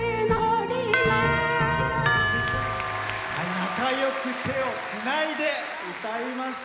仲よく手をつないで歌いました。